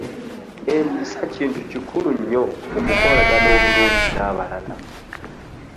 Empisa kintu kikulu nnyo mu kukolagana obulungi n'abalala.